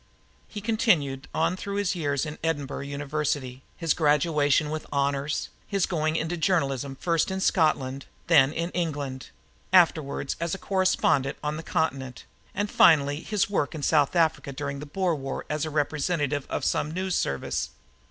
He continued on through his years in Edinburgh University, his graduation with honors, his going into journalism first in Scotland, then in England, afterwards as a correspondent on the Continent, and finally his work in South Africa during the Boer War as representative of some news service.